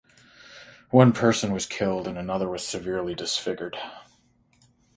One person was killed and another was severely disfigured.